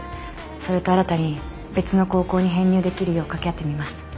それと新たに別の高校に編入できるよう掛け合ってみます。